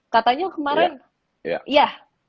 katanya kemarin ya